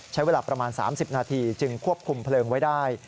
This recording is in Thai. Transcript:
ใช้เวลาประมาณ๓๐นาทีจึงควบคุมเพลิงไว้ได้